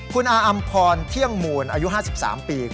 คุณอาอำพรเที่ยงมูลอายุ๕๓ปี